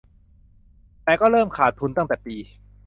แต่ก็เริ่มขาดทุนตั้งแต่ปี